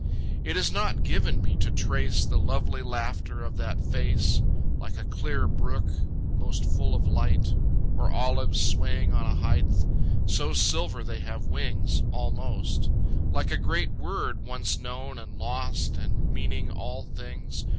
It is not given me to trace The lovely laughter of that face, Like a clear brook most full of light, Or olives swaying on a height, So silver they have wings, almost; Like a great word once known and lost And meaning all things.